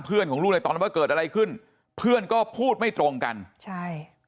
เพื่อนของลูกเลยตอนว่าเกิดอะไรขึ้นเพื่อนก็พูดไม่ตรงกันใช่